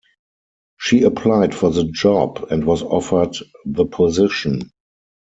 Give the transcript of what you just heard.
She applied for the job and was offered the position.